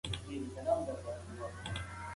ډاکټر وویل چې لا هم وخت شته.